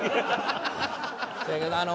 せやけどあの。